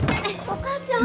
お母ちゃん！